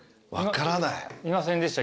いませんでした？